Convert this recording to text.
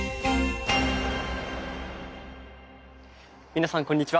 皆さんこんにちは。